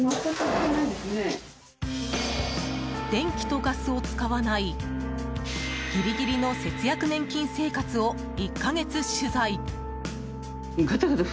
電気とガスを使わないギリギリの節約年金生活を１か月取材。